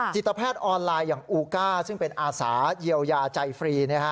จิตแพทย์ออนไลน์อย่างอูก้าซึ่งเป็นอาสาเยียวยาใจฟรี